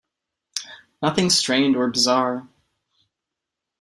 Nothing strained or bizarre.